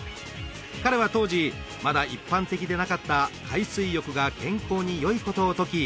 彼は当時まだ一般的でなかった海水浴が健康によいことを説き